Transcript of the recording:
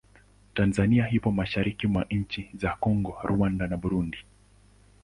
Tanzania ipo mashariki mwa nchi za Kongo, Rwanda na Burundi.